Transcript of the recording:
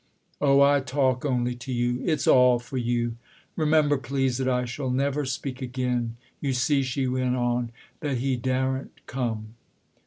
" Oh, I talk only to you : it's all for you. Remem ber, please, that I shall never speak again. You see," she went on, " that he daren't come."